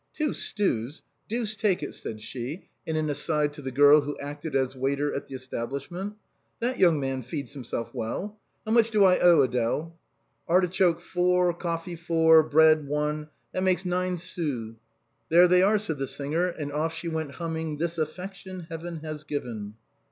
" Two stews ! Deuce take it !" said she, in an aside to the girl who acted as waiter at the establishment; "that young man feeds himself well. How much do I owe, Adèle?" " Artichoke four, coffee four, bread one : that makes nine sous." " There they are," said the singer : and off she went humming :" This affection Heaven has given."